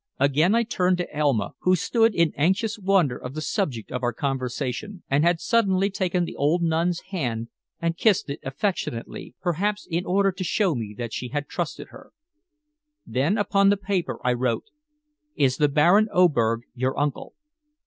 Again I turned to Elma, who stood in anxious wonder of the subject of our conversation, and had suddenly taken the old nun's hand and kissed it affectionately, perhaps in order to show me that she trusted her. Then upon the paper I wrote "Is the Baron Oberg your uncle?"